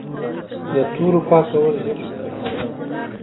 د تورو پاکول ژبه نه بډای کوي.